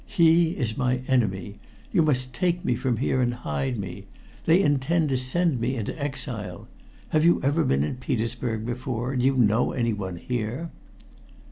He is my enemy. You must take me from here and hide me. They intend to send me into exile. Have you ever been in Petersburg before? Do you know anyone here?"